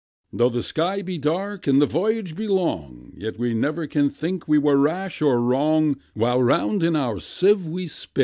Though the sky be dark, and the voyage be long, Yet we never can think we were rash or wrong, While round in our sieve we spin."